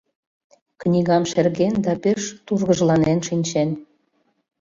Книгам шерген да пеш тургыжланен шинчен.